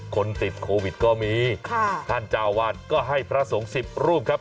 คนติดโควิดก็มีค่ะท่านเจ้าวาดก็ให้พระสงฆ์๑๐รูปครับ